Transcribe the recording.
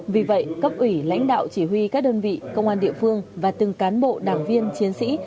vì vậy cấp ủy lãnh đạo chỉ huy các đơn vị công an địa phương và từng cán bộ đảng viên chiến sĩ